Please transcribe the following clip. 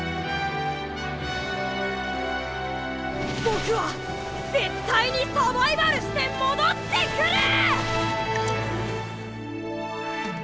ボクは絶対にサバイバルして戻ってくる！